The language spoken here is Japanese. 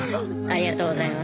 ありがとうございます。